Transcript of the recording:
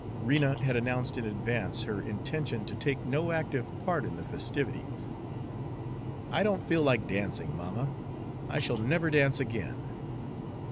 Rena had announced in advance her intention to take no active part in the festivities. "I don't feel like dancing, mamma I shall never dance again."